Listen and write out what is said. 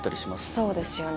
そうですよね